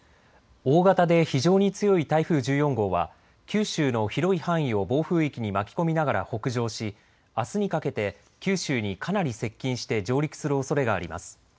大型で非常に強い台風１４号は、九州の広い範囲を暴風域に巻き込みながら北上し、あすにかけて、九州にかなり接近して上陸するおそれがあります。